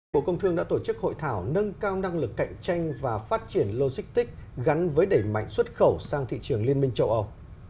bộ công thương đã tổ chức hội thảo nâng cao năng lực cạnh tranh và phát triển logistics gắn với đẩy mạnh xuất khẩu sang thị trường liên minh châu âu